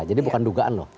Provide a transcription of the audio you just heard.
jadi bukan dugaan loh